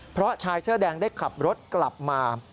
เพราะชายเสื้อแดงได้ขับรถกลับมา